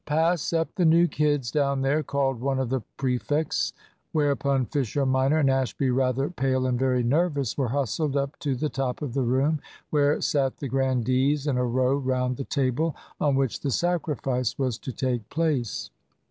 "Pass up the new kids down there," called one of the prefects. Whereupon Fisher minor and Ashby, rather pale and very nervous, were hustled up to the top of the room, where sat the grandees in a row round the table on which the sacrifice was to take place.